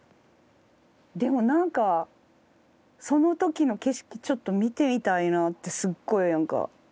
でもなんかその時の景色ちょっと見てみたいなってすごいなんか。